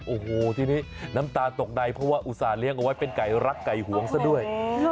โอ้โหทีนี้น้ำตาลตกในเพราะว่าอุตส่าหเลี้ยงเอาไว้เป็นไก่รักไก่หวงซะด้วย